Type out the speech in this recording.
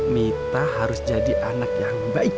mita harus jadi anak yang baik